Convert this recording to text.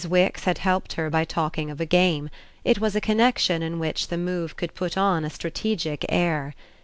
Wix had helped her by talking of a game; it was a connexion in which the move could put on a strategic air.